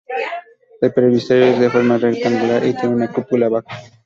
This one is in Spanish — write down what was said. El presbiterio es de forma rectangular y tiene una cúpula baja.